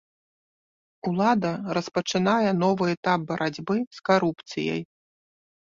Улада распачынае новы этап барацьбы з карупцыяй.